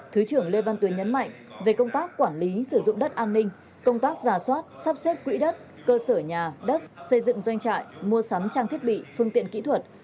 thứ trưởng lê văn tuyến nhấn mạnh về công tác quản lý sử dụng đất an ninh công tác giả soát sắp xếp quỹ đất cơ sở nhà đất xây dựng doanh trại mua sắm trang thiết bị phương tiện kỹ thuật